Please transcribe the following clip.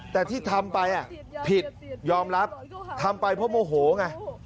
แต่ที่ทำไปผิดยอมรับทำไปเพราะโมโหไง